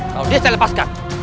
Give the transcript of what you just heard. kalau dia saya lepaskan